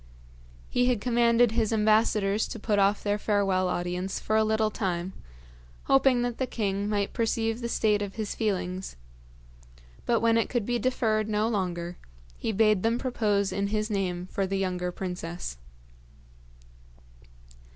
He had commanded his ambassadors to put off their farewell audience for a little time, hoping that the king might perceive the state of his feelings; but when it could be deferred no longer, he bade them propose in his name for the younger princess.